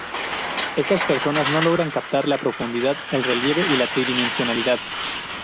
Estas personas no logran captar la profundidad, el relieve y la tridimensionalidad.